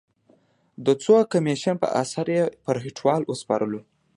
د څو کمېشن په اسره یې پر هټیوال وسپارلو.